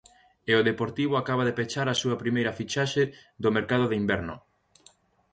E o Deportivo acaba de pechar a súa primeira fichaxe do mercado de inverno.